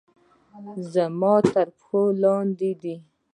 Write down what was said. زما تر پښو لاندې دي